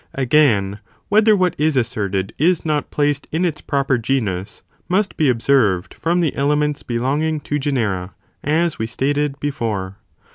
Again, whether what is asserted is not placed In its proper genus, must be observed from the elements belonging to genera, as we stated before.